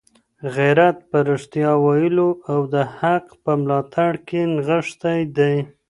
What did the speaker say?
غیرت په رښتیا ویلو او د حق په ملاتړ کي نغښتی دی.